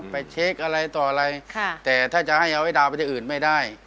ไปเช็คอะไรต่ออะไรแต่ถ้าจะให้เอาไว้ดาวไปที่อื่นไม่ได้